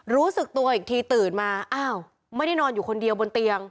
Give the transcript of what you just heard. รู้สึกตัวอีกทีตื่นมาอ้าวไม่ได้นอนอยู่คนเดียวบนเตียง